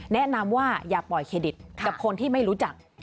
แนะนำว่าอย่าปล่อยเครดิตกับคนที่ไม่รู้จัก